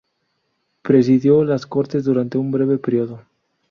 Presidió las Cortes durante un breve período.